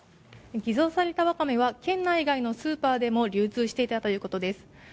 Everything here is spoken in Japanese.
偽造されたワカメは県内外のスーパーでも流通していたということです。